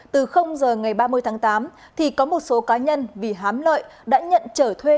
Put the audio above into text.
từ giờ ngày ba mươi tháng tám thì có một số cá nhân vì hám lợi đã nhận trở thuê